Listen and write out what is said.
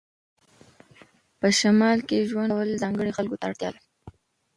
په شمال کې ژوند کول ځانګړو خلکو ته اړتیا لري